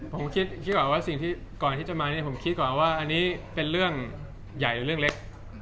ผมคิดก่อนว่าสิ่งที่ก่อนที่จะมาเนี่ยผมคิดก่อนว่าอันนี้เป็นเรื่องใหญ่หรือเรื่องเล็ก